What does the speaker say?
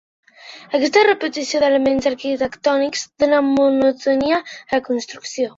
Aquesta repetició d'elements arquitectònics dóna monotonia a la construcció.